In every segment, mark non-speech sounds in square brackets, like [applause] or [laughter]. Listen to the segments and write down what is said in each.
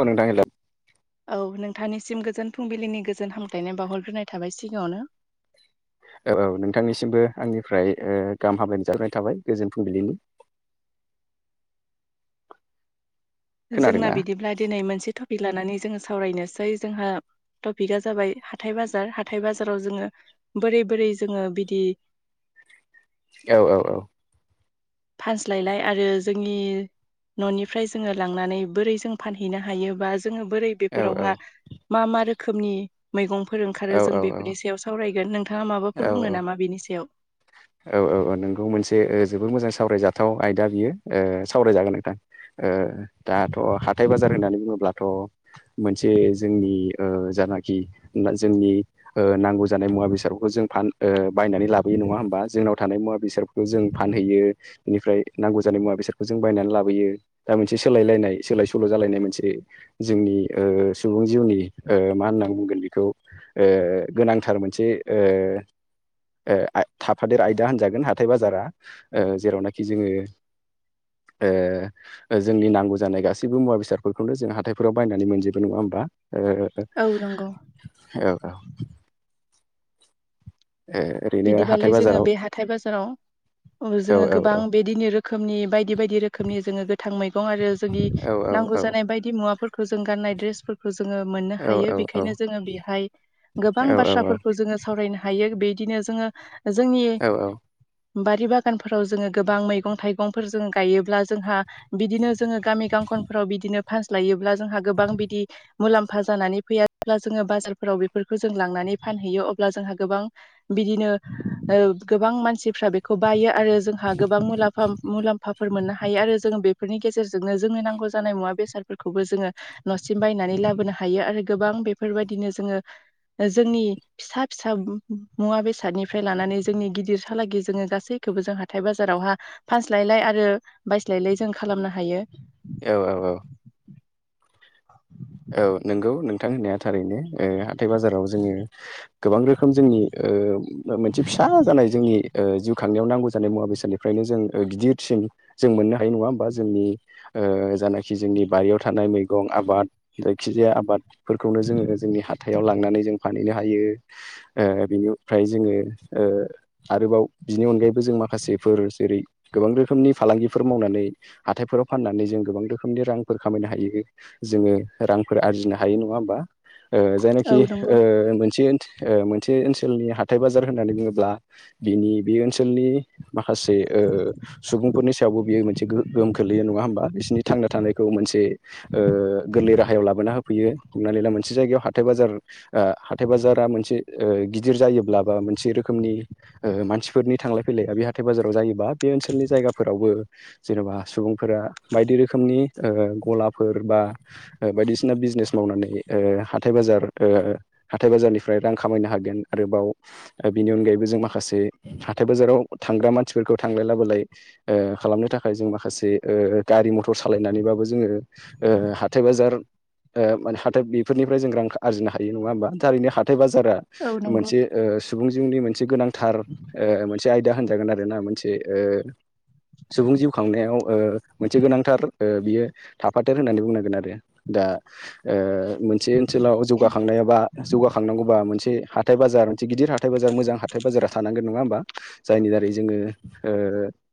औ नोंथां हेल। औ नोंथांनिसिम गोजोन फुंबिलिनि गोजोन हामथायनाय बावहरग्रोनाय थाबाय सिगाङावनो। औ औ नोंथांनिसिमबो आंनिफ्राय गाहाम हामलायनाय जाबाय थाबाय गोजोन फुंबिलिनि। जोंना खोनादोंना बिदिब्ला दिनै मोनसे टपिक लानानै जोङो सावरायनोसै जोंहा टपिका जाबाय हाथथाय बाजार हाथथाय बाजाराव जोङो बोरै बोरै जोङो बिदि औ औ औ। फानस्लायलाय आरो जोंनि न'निफ्राय जोङो लांनानै बोरै जों फानहैनो हायोबा जोङो बोरै औ बेफोरावहा मा मा रोखोमनि मैगंफोर ओंखारो औ जों औ बेफोरनि सायाव सावरायगोन नोंथाङा माबाफोर औ बुङो नामा बेनि सायाव? औ औ औ नोंगौ मोनसे ओ जोबोद मोजां सावरायजाथाव आयदा बियो ओ सावरायजागोन नोंथां। ओ दाथ' हाथाय बाजार होननानै बुङोब्लाथ' मोनसे जोंनि ओ जानाखि मान जोंनि ओ नांगौ जानाय मुवा बेसादफोरखौ जों फान बायनानै लाबोयो नङा होमबा? जोंनाव थानाय मुवा बेसादफोरखौ जों फानहैयो बेनिफ्राय नांगौ जानाय मुवा बेसादखौ जों बायनानै लाबोयो। दा मोनसे सोलायलायनाय सोलाय सोल' जालायनाय मोनसे जोंनि ओ सुबुं जिउनि ओ मा होनना बुंगोन बेखौ ओ गोनांथार मोनसे ओ ओ आय थाब हादोर आयदा होनजागोन हाथाय बाजारा ओ जेरावनाखि जोङो ओ ओ जोंनि नांगौ जानाय गासैबो मुवा बेसादफोरखौनो जों हाथाइफोराव बायनानै मोनजोबो नङा होमबा? ओ औ नंगौ औ औ। ए। बिदिबालाय जोङो बे हाथाय बाजाराव औ जोङो औ गोबां औ बेदिनो रोखोमनि बायदि बायदि रोखोमनि जोङो गोथां मैगं आरो जोंनि औ नांगौ औ जानाय बायदि मुवाफोरखौ जों गाननाय ड्रेसफोरखौ जोङो मोननो औ हायो औ औ बेखायनो जोङो बेहाय गोबां औ बाथ्राफोरखौ जोङो सावरायनो हायो बेदिनो जोङो जोंनि औ बारि बागानफोराव जोङो गोबां मैगं थाइगंफोर जों गायोब्ला जोंहा बिदिनो जोङो गामि गांखनफोराव बिदिनो पास लायोब्ला जोंहा गोबां बिदि मुलाम्फा जानानै फैया अब्ला जोङो बाजारफोराव बेफोरखौ जों लांनानै फानहैयो अब्ला जोंहा गोबां बिदिनो ओ गोबां मानसिफ्रा बेखौ बायो आरो जोंहा गोबां मुलाम्फा मुलाम्फा फोर मोननो हायो आरो जोङो बेफोरनि गेजेरजोंनो जोंनो नांगौ जानाय मुवा बेसादफोरखौबो जोङो न'सिम बायनानै लाबोनो हायो आरो गोबां बेफोरबायदिनो जोङो जोंनि फिसा फिसा मुवा बेसादनिफ्राय लानानै जोंनि गिदिरहालागै जोङो गासैखौबो जों हाथाइ बाजारावहा फानस्लायलाय आरो बायस्लायलाय जों खालामनो हायो। औ औ औ। औ नंगौ नोंथां होननाया थारैनो ओ हाथाय बाजाराव जोङो गोबां रोखोम जोंनि ओ मो-मोनसे फिसा जानाय जोंनि ओ जिउ खांनायाव नांगौ जानाय मुवा बेसाद फ्रायनो जों ओ गिदिरसिम जों मोननो हायो नङा होमबा जोंनि ओ जानाखि जोंनि बारियाव थानाय मैगं आबाद जायखिजाया आबादफोरखौनो जोङो जोंनि हाथायाव लांनानै जों फानहैनो हायो ओ बिनिफ्राय जोङो ओ आरोबाव बिनि अनगायैबो जों माखासेफोर जेरै गोबां रोखोमनि फालांगिफोर मावनानै हाथायफोराव फाननानै जों गोबां रोखोमनि रांफोर खामायनो हायो जोङो रांफोर आरजिनो हायो नङा होमबा? ओ औ जायनाखि नंगौ ओ मोनसिगोन ओ मोनसे ओनसोलनि हाथाइ बाजार होननानै बुङोब्ला बिनि बे ओनसोलनि माखासे ओ सुबुंफोरनि सायावबो बियो मोनसे गो-गोहोम खोलैयो नङा होमबा? बिसोरनि थांना थानायखौ मोनसे ओ गोरलै राहायाव लाबोना होफैयो। हमनानानै ला मोनसे जायगायाव हाथाइ बाजार ओ हाथाइ बाजारा मोनसे ओ गिदिर जायोब्ला बा मोनसे रोखोमनि ओ मानसिफोरनि थांलाय फैलाय बे हाथाइ बाजाराव जायोबा बे ओनसोलनि जायगाफोरावबो जेन'बा सुबुंफोरा बायदि रोखोमनि ओ गलाफोर बा ओ बायदिसिना बिजनेस मावनानै ओ हाथाइ बाजार ओ हाथाइ बाजारनिफ्राय रां खामायनो हागोन आरोबाव बिनि अनगायैबो जों माखासे हाथाइ बाजाराव थांग्रा मानसिफोरखौ थांलाय लाबोलाय ओ खालामनो थाखाय जों माखासे ओ गारि मथर सालायनानैबाबो जोङो ओ हाथाइ बाजार ओ मोन हाथाय बेफोरनिफ्राय जों रां आरजिनो हायो नङा होमबा। थारैनो हाथाइ बाजारा औ नंगौ मोनसे ओ सुबुं जिउनि मोनसे गोनांथार ओ मोनसे आयदा होनजागोन आरोना मोनसे ओ सुबुं जिउ खांनायाव ओ मोनसे गोनांथार ओ बियो थाफादेर होननानै बुंनांगोन आरो। दा ओ मोनसे ओनसोलाव जौगाखांनायाबा जौगाखांनांगौबा मोनसे हाथाइ बाजार मोनसे गिदिर हाथ हाथाइ बाजार मोज हथाय बाजार थानांगोन नङा होमबा। जायनि दारै जोङो ओ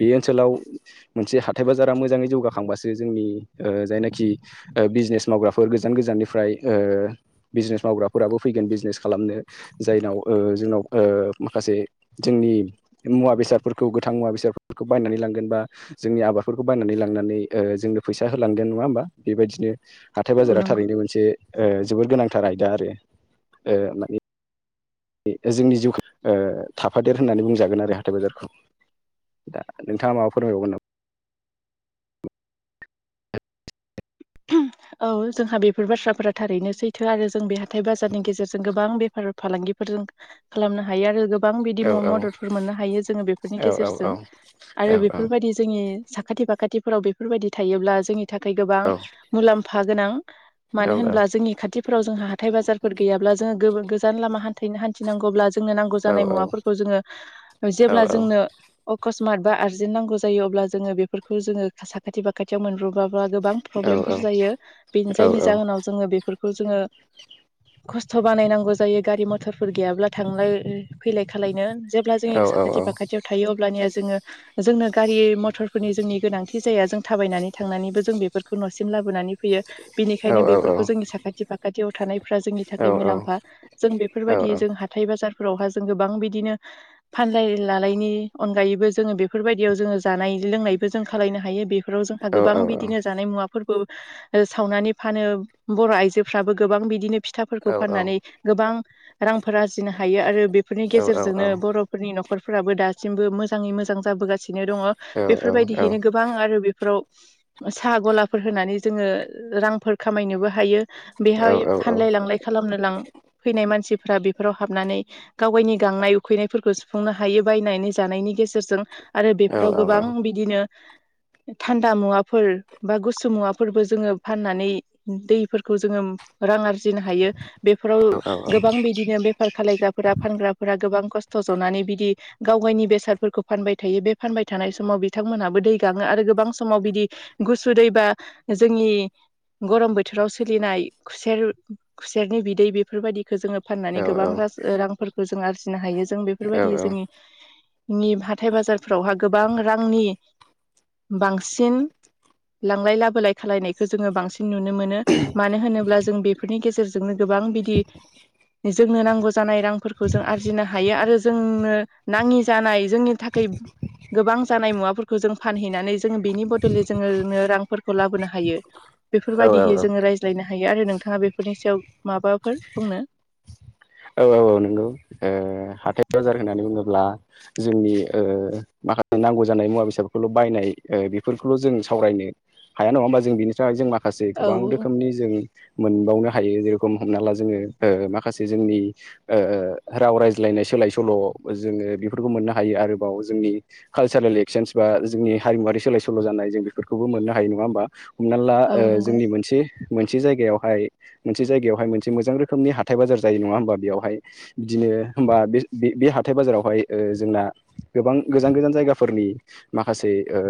बे ओनसोलाव मोनसे हाथाइ बाजारा मोजाङै जौगाखांबासो जोंनि ओ जायनाखि ओ बिजनेस मावग्राफोर गोजान गोजाननिफ्राय ओ बिजनेस मावग्राफोराबो फैगोन बिजनेस खालामनो। जायनाव ओ जोंनाव ओ माखासे जोंनि मुवा बेसादफोरखौ गोथां मुवा बेसादफोरखौ बायनानै लांगोन बा जोंनि आबादफोरखौ बायनानै लांनानै ओ जोंनो फैसा होलांगोन नङा होमबा। बेबायदिनो हाथाय औ बाजारा नंगौ थारैनो मोनसे ओ जोबोद गोनांथार आयदा आरो ओम जोंनि जिउखौ ओ थाफादेर होननानै बुंजागोन आरो हाथाय बाजारखौ। दा नोंथाङा माबा फोरायबावगोन नामा? [inaudible] औ जोंहा बेफोर बाथ्राफोरा थारैनो सैथो आरो जों बे हाथाय बाजारनि गेजेरजों गोबां बेफार फालांगिफोरजों खालामनो हायो आरो गोब गोबां बिदि औ औ म-मददफोर मोननो हायो जोङो बेफोरनि औ गेजेरजों औ आरो औ औ बेफोरबायदि जोंनि साखाथि फाखाथिफोराव बेफोरबायदि थायोब्ला जोंनि थाखाय गोबां औ मुलाम्फा गोनां। मानो होनब्ला जोंनि खाथि फोराव जोंहा हाथाय बाजारफोर गैयाब्ला जोंहा गोब-गोजान लाम हान थैनो हान्थिनांगौब्ला जोंनो नांगौ औ जानाय मुवाफोरखौ जोङो जेब्ला जोंनो अकसमात बा आर्जेन्ट नांगौ जायो अब्ला जोङो बेफोरखौ जोङो साखाथि फाखाथियाव मोनब्रबाबा गोबां प्रब्लेमफोर जायो। बे जायनि जाहोनाव जोङो बेफोरखौ जोङो खस्थ' बानायनांगौ जायो गारि मथरफोर गैयाब्ला थांलाय फैलाय खालायनो। जेब्ला जोंनि साखाथि फाखाथियाव थायो अब्लानिया जोङो जोंनो गारि मथरफोरनि जोंनि गोनांथि जाया जों थाबायनानै थांनानैबो जों बेफोर खौ न'सिम लाबोनानै फैयो। बेनिखायनो बेफोरखौ जोंनि साखाथि फाखाथियाव थानायफ्रा जोंनि थाखाय मुलाम्फा जों बेफोरबायदि जों हाथाय बाजारफोरावहा जों गोबां बिदिनो फानलाय लालायनि अनगायैबो जोङो बेफोरबायदियाव जोङो जानाय लोंनायबो जों खालायनो हायो। बेफोराव जोंहा गोबां बिसनेज जानाय मुवाफोरखौ सावनानै फानो बर' आइजोफ्राबो गोबां बिदिनो फिथाफोरखौ फाननानै गोबां रांफोर आरजिनो हायो आरो बेफोरनि गेजेरजोंनो बर' फोरनि न'खरफोराबो दासिमबो मोजाङै मोजां जाबोगासिनो दङ। बेफोरबायदिहैनो गोबां आरो बे फोराव साहा ग'लाफोर होनानै जोङो रांफोर खामायनोबो हायो। बेहाय फानलाय लांलाय खालामनो लां फैनाय मानसिफ्रा बेफोराव हाबनानै गावगायनि गांनाय उखैनायफोरखौ सुफुंनो हायो बायनानै जानायनि गेजेरजों आरो बेफोराव गोबां बिदिनो थान्दा मुवा फोर बा गुसु मुवाफोरबो जोङो फाननानै दै फोरखौ जोङोम रां आरजिनो हायो बेफोराव गोबां बिदिनो बे बेफार खालायग्राफोरा फानग्राफोरा गोबां खस्थ' जनानै बिदि गावगायनि बेसादफोरखौ फानबाय थायो बे फानबाय थानाय समाव बिथांमोनहाबो दै गाङो आरो गोबां समाव बिदि गुसु दैबा जोंनि गरम बोथोराव सोलिनाय खुसेर खुसेरनि बिदै बेफोरबायदिखौ जोङो फाननानै गोबां राज ओ रांफोरखौ जों आरजिनो हायो जों औ बेफोरबायदि जोंनि नि हाथाय बाजारफोरावहा गोबां रांनि बांसिन लांलाय लाबोलाय खालायनायखौ जोङो बांसिन नुनो मोनो मानो होनोब्ला जों बेफोरनि गेजेरजों जोंनो गोबां बिदि ओ जो‌ नो नांगौ जानाय रांफोरखौ जों आरजिनो हायो आरो जोंनो नाङि जानाय जोंनि थाखाय गोबां जानाय मुवाफोरखौ जों फानहैनानै जोङो बिनि बदलै जोङोनो रांफोरखौ लाबोनो हायो औ बेफोरबायदिहै जोङो रायजो लायनो हायो आरो नोंथाङा बेफोरनि सायाव माबाफोर बुंनो औ औ औ नंगौ ओ हाथाइ बाजार होननानै बुङोब्ला जोंनि ओ माखासे नांगौ जानाय मुवा बेसादफोरखौल' बायनाय ओ बेफोरखौल' जों सावरायनो हाया नङा होमब जोंनि थाखाय जों मा माखासे औ गोबां रोखोमनि जों मोनबावनो हायो जेरखम हमनाला जोङो ओ माखासे जोंनि ओ राव रायज्लायनाय सोलाय सोल' जोङो बेफोरखौ मोननो हायो आरोबाव जोंनि कालसारेल एक्चन्स बा जोंनि हारिमुवारि सोलाय सोल' जानाय जों बेफोरखौबो मोननो हायो नङा होमबा। हमना ला औ ओ नंगौ जोंनि मोनसे मोनसे जायगायावहाय मोनसे जायगायावहाय मोनसे मोजां रोखोमनि हाथाय बाजार जायो नङा होमबा बेयावहाय बिदिनो होमबा बेस बे बे हाथाय बाजारावहाय जोंना गोबां गोजान गोजान जायगाफोरनि माखासे ओ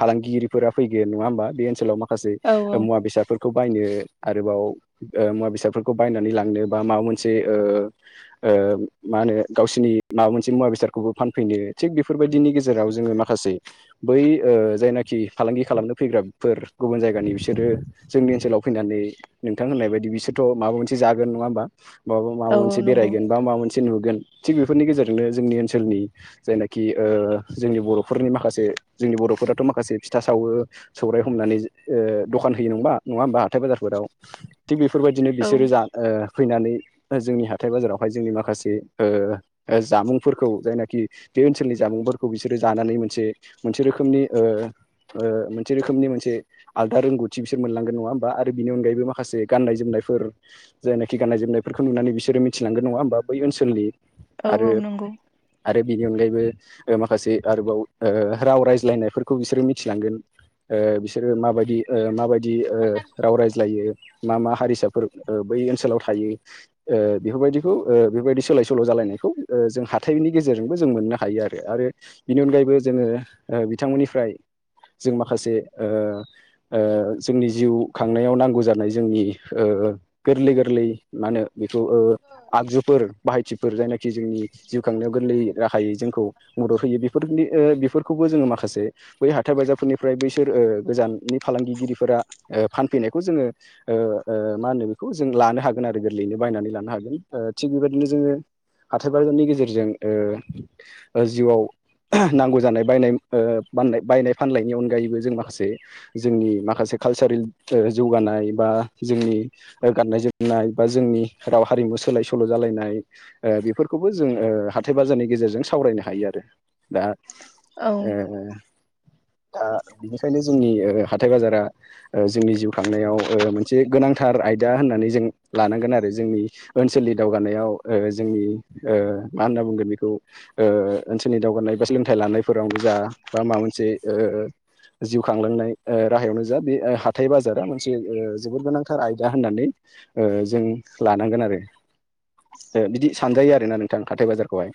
फालांगिरिफोरा फैगोन नङा होमबा बे ओनसोलाव माखासे औ माखासे ओ मुवा बेसादफोरखौ बायनो आरोबाव ओ मुवा बेसादफोरखौ बायनानै लांनो बा माबा मोनसे ओ ओ माहोनो गावसिनि माबा मोनसे मुवा बेसादखौबो फानफैनो थिग बेफोरबायदिनि गेजेराव जोङो मा माखासे बै ओ जायनाखि फालांगि खालामनो फैग्राफोर गुबुन जायगानि बिसोरो जोंनि ओनसोलाव फैनानै नोंथां होननाय बायदि बिसोरथ' माबा मोनसे जागोन नङा होमबा। माबा माबा औ औ मोनसे नंगौ बेरायगोन बा माबा मोनसे नुगोन थिग बेफोरनि गेजेरजोंनो जोंनि ओनसोलनि जायनाखि ओ जोंनि बर'फोरनि माखासे जोंनि बर'फोराथ' माखासे फिथा सावो सौराय हमनानै जों ओ दखान होयो नंङा होमबा नङा होमबा हाथाय बाजारफोराव थिग बेफोरबायदिनो औ बिसोरो जा ओ फैनानै ओ जोंनि हाथाय बाजारावहाय जोंनि माखासे ओ ओ जामुंफोरखौ जायनाखि बे ओनसोलनि जामुंफोरखौ बिसोरो जानानै मोनसे मोनसे रोखोमनि ओ ओ मोनसे रोखोमनि मोनसे आलदा रोंगौथि बिसोर मोनलांगोन नङा होमबा आरो बिनि अनगायैबो माखासे गाननाय जोमनायफोर जायना खि गाननाय जोमनायफोरखौ नुनानै बिसोरो मिथिलांगोन नङा होमबा बै ओनसोलनि औ आरो। औ नंगौ आरो बिनि अनगायैबो ओ माखासे आरोबाव ओ राव रायज्लायनायफोरखौ बिसोरो मिथिलांगोन। ओ बिसोरो माबायदि ओ माबायदि ओ राव रायज्लायो मा मा हारिसाफोर ओ बै ओनसोलाव थायो। ओ बेफोरबायदिखौ ओ बेबायदि सोलाय सोल' जालायनायखौ ओ जों हाथायनि गेजेरजोंबो जों मोननो हायो आरो आरो बिनि अनगायैबो जोङो ओ बिथांमोननिफ्राय जों माखासे ओ ओ जोंनि जिउ खांनायाव नांगौ जानाय जोंनि ओ गोरलै गोरलै मा होनो बेखौ ओ आगजुफोर बाहायथि फोर जायनाखि जोंनि जिउ खांनायाव गोरलै राहायै जोंखौ मदद होयो बेफोरनि बेफोरखौबो जोङो माखासे बै हाथार बायाजारफोरनिफ्राय बैसोर गोजाननि फालांगिगिरिफोरा फानफैनायखौ जोङो मा होनो बेखौ जों लानो हागोन आरो गोरलैनो बायनानै लानो हागोन थिग बेबायदिनो जोङो हाथथाय बाजारनि गेजेरजों जिउआव नांगौ जानाय बायनायान बायनाय फाननायनि अनगायैबो जों माखासे जोंनि माखासे कालसारेल जौगानाय बा जोंनि गाननाय जोमनाय बा जोंनि राव हारिमु सोलाय सोल' जालायनाय बेफोरखौबो जों हाथाय बाजारनि गेजेरजों सावरायनो हायो आरो दा औ दा बेनिखायनो जोंनि हाथथाय बाजारा जोंनि जिउ खांनायाव मोनसे गोनांथार आयदा होननानै जों लानांगोन आरो जोंनि ओनसोलनि दावगानायाव जोंनि मा होनना बुंगोन बेखौ ओनसोलनि दावगानाय बा सोलोंथाइ लानायफोरावनो जा बा माबा मोनसे जिउ खांलांनाय राहायावनो जा बे हाथाय बाजारा मोनसे जोबोद गोनांथार आयदा होननानै जों लानांगोन आरो बिदि सानजायो आरोना नोंथां हाथाइ बाजारखौहाय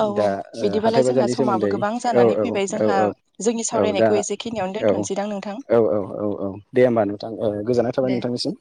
औ दा औ बिदिबालाय हाथाय जोंहा बाजारनि समाबो सोमोन्दै गोबां औ जानानै औ फैबाय औ जोंहा औ जोंनि औ दा सावरायनायखौ एसेखिनियावनो औ दोनथ'नोसैदां नोंथां औ औ औ औ दे होमबा नोंथां गोजोननाय थाबाय दे नोंथांनिसिम